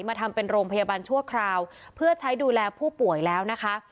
มาทำเป็นโรงพยาบาลชั่วคราวเพื่อใช้ดูแลผู้ป่วยแล้วนะคะ